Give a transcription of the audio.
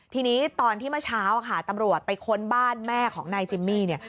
ทีนี้ตอนที่เมื่อเช้าค่ะตำรวจไปค้นบ้านแม่ของนายจิมมี่